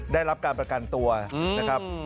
ได้รับการประกันตัวนะครับ